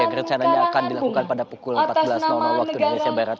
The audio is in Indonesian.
gerecananya akan dilakukan pada pukul empat belas waktu di indonesia barat